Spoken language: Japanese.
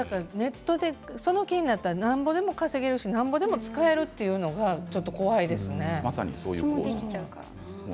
ネットでその気になったらなんぼでも稼げるしなんぼでも使えるというのがですよね。